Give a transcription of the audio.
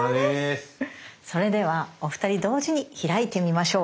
それではお二人同時に開いてみましょう。